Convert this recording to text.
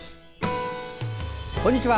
こんにちは。